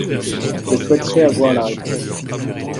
Je souhaiterais avoir la réponse.